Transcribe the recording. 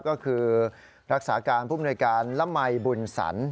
ก็คือรักษาการภูมิหน่วยการละมัยบุญสรรค์